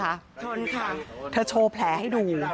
ชนค่ะเธอโชว์แผลให้ดู